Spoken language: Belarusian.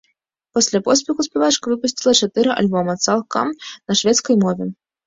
Пасля поспеху спявачка выпусціла чатыры альбома, цалкам на шведскай мове.